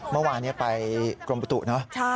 เมื่อวานนี้ไปกรมประตูเนอะ